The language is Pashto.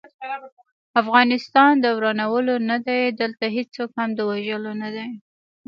افغانستان د ورانولو نه دی، دلته هيڅوک هم د وژلو نه دی